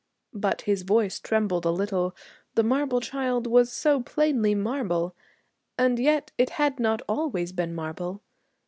But his voice trembled a little. The marble child was so plainly marble. And yet it had not always been marble.